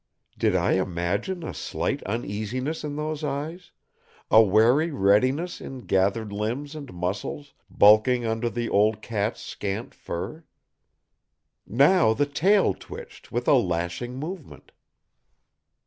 Did I imagine a slight uneasiness in those eyes, a wary readiness in gathered limbs and muscles bulking under the old cat's scant fur? Now the tail twitched with a lashing movement.